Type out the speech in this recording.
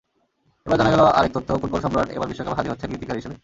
এবার জানা গেল আরেক তথ্য—ফুটবলসম্রাট এবার বিশ্বকাপে হাজির হচ্ছেন গীতিকার হিসেবে।